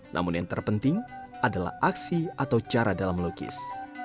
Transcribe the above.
namun yang terpenting adalah aksi atau cara dalam melukis